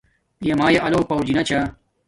پیامایے آلو پورجنا چھا